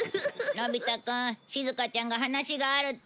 のび太くんしずかちゃんが話があるって。